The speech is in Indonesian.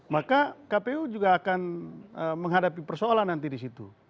maka kpu juga akan menghadapi persoalan nanti disitu